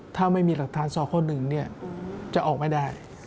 ถ้าไม่มีหลักฐานสค๑จะออกไม่ได้